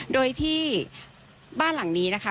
โดยที่บ้านหลังนี้นะคะ